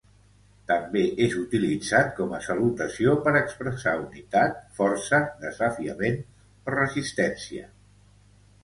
També és utilitzat com a salutació per expressar unitat, força, desafiament o resistència.